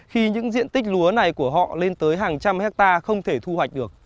khi những diện tích lúa này của họ lên tới hàng trăm hectare không thể thu hoạch được